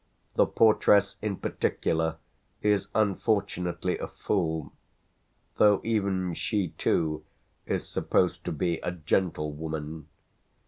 The portress in particular is unfortunately a fool, though even she too is supposed to be a Gentlewoman.